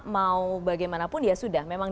mau bagaimanapun ya sudah memang